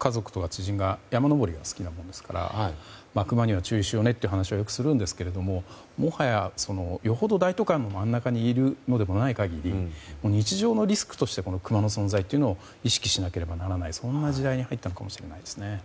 家族とか知人が山登りが好きなものですからクマには注意しようねという話はよくするんですがよほど大都会の真ん中にいるとかではない限り日常のリスクとしてクマの存在というものを意識しなければならない時代に入ったのかもしれないですね。